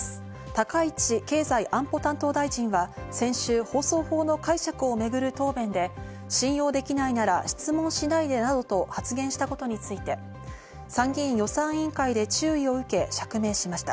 高市経済安保担当大臣は先週、放送法の解釈をめぐる答弁で信用できないなら質問しないでなどと発言したことについて、参議院予算委員会で注意を受け、釈明しました。